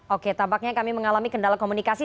oke tampaknya kami mengalami kendala komunikasi